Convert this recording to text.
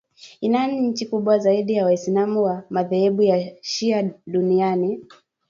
Iran, nchi kubwa zaidi ya waislam wa madhehebu ya shia duniani